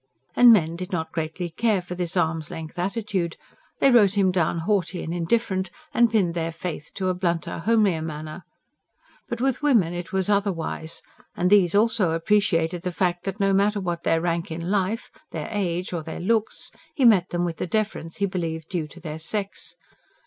And men did not greatly care for this arm's length attitude; they wrote him down haughty and indifferent, and pinned their faith to a blunter, homelier manner. But with women it was otherwise; and these also appreciated the fact that, no matter what their rank in life, their age or their looks, he met them with the deference he believed due to their sex.